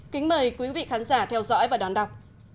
kính mời quý vị khán giả theo dõi và đón đọc